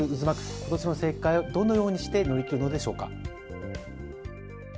今年の政界をどのようにして乗り切るのでしょうか。